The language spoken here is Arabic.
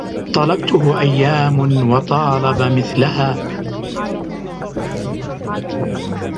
طلبته أيام وطالب مثلها